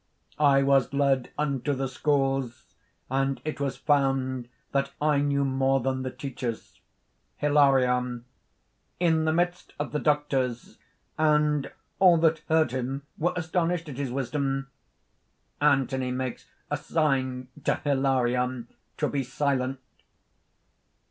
"I was led unto the schools; and it was found that I knew more than the teachers." HILARION. "... In the midst of the doctors ... and all that heard him were astonished at his wisdom!" (_Anthony makes a sign to Hilarion to be silent.